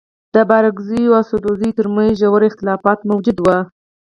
د بارکزيو او سدوزيو تر منځ ژور اختلافات موجود وه.